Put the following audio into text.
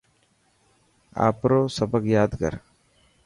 آڦرو سبق ياد ڪر.